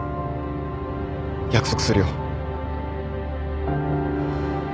約束するよ